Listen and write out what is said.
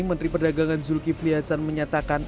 menteri perdagangan zulkifli hasan menyatakan